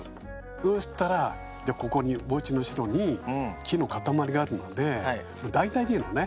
そうしたらじゃあここにおうちの後ろに木の固まりがあるので大体でいいのね。